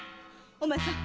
お前さん。